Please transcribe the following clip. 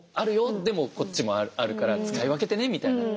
でもこっちもあるから使い分けてねみたいな。